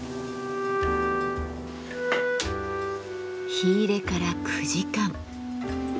火入れから９時間。